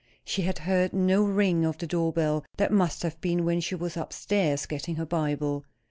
She had heard no ring of the door bell; that must have been when she was up stairs getting her Bible.